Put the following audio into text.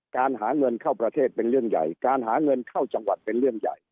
การหาเงินเข้าประเทศเป็นเรื่องใหญ่การหาเงินเข้าจังหวัดเป็นเรื่องใหญ่